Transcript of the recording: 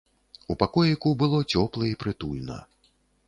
У пакоіку было цёпла і прытульна.